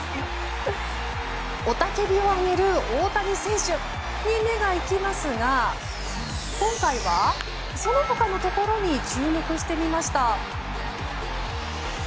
雄たけびを上げる大谷選手に目が行きますが今回はその他のところに注目してみました。